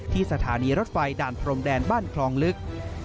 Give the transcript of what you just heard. สถานีรถไฟด่านพรมแดนบ้านคลองลึก